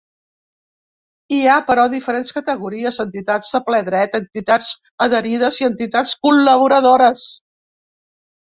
Hi ha, però, diferents categories: entitats de ple dret, entitats adherides i entitats col·laboradores.